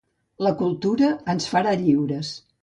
La cultura ens farà lliures.